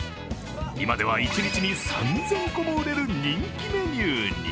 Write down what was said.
今では１日に３０００個も売れる人気メニューに。